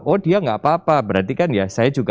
oh dia nggak apa apa berarti kan ya saya juga